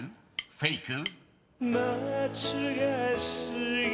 フェイク？］